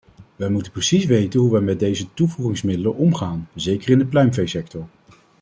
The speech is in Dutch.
Wij moeten precies weten hoe wij met deze toevoegingsmiddelen omgaan, zeker in de pluimveesector.